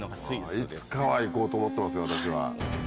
いつかは行こうと思ってますけど私は。